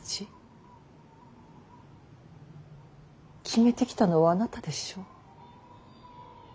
決めてきたのはあなたでしょう。